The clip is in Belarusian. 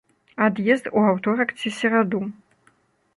Ад'езд у аўторак ці сераду.